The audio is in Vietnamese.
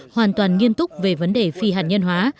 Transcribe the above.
hoàn toàn nghiêm túc về vấn đề phi hạt nhân hóa